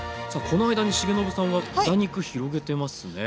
この間に重信さんは豚肉広げてますね。